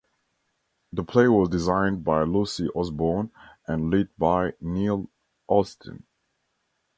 The play was designed by Lucy Osborne and lit by Neil Austin.